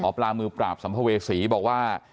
ปลามือปราบสัมภเวษีบอกว่า